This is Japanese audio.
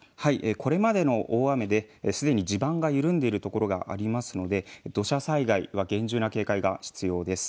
これまでの大雨ですでに地盤が緩んでいるところがありますので土砂災害は厳重な警戒が必要です。